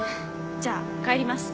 じゃあ帰ります。